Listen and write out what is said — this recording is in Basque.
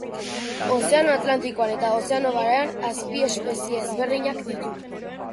Ozeano Atlantikoan eta Ozeano Barean azpiespezie ezberdinak ditu